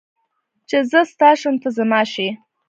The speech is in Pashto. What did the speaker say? چې زه ستا شم ته زما شې